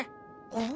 うん？